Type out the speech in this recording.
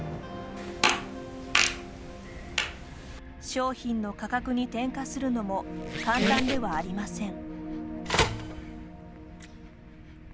商品の価格に転嫁するのも簡単ではありません。